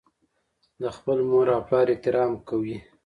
د خپل مور او پلار احترام کوي.